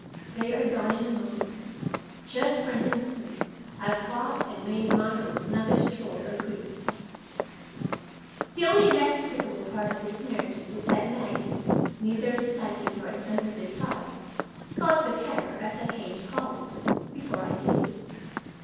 They are gone in a moment. Just for an instant, I have caught and made my own another's joy or grief. The only inexplicable part of this narrative is that Maggie, neither a psychic nor a sensitive type, caught the terror, as I came to call it, before I did.